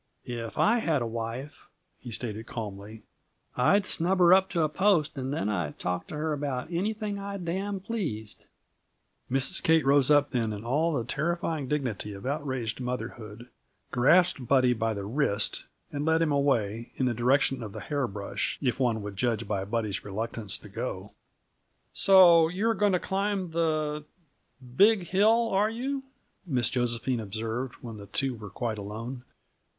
"If I had a wife," he stated calmly, "I'd snub her up to a post and then I'd talk to her about anything I damn pleased!" Mrs. Kate rose up then in all the terrifying dignity of outraged motherhood, grasped Buddy by the wrist, and led him away, in the direction of the hairbrush, if one would judge by Buddy's reluctance to go. "So you are going to climb the Big Hill, are you?" Miss Josephine observed, when the two were quite alone.